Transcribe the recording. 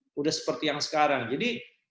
sudah seperti yang sekarang jadi